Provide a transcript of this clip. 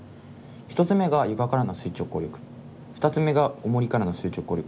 １つ目が床からの垂直抗力２つ目がおもりからの垂直抗力。